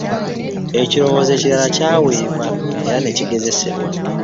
Ekirowoozo ekirala kyaweebwa era ne kigezesebwa.